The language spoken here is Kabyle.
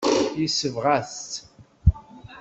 Yesbeɣ-as-tt.